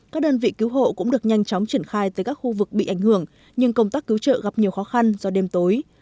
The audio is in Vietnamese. các đơn vị cứu hộ cũng được nhanh chóng triển khai tới các khu vực bị ảnh hưởng nhưng công tác cứu trợ gặp nhiều khó khăn do đêm tối